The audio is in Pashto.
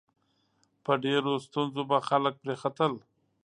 په ډېرو ستونزو به خلک پرې ختل.